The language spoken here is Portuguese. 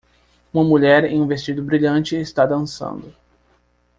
Uma mulher em um vestido brilhante está dançando.